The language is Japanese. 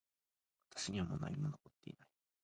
私にはもう何も残っていない